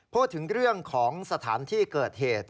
พูดถึงเรื่องของสถานที่เกิดเหตุ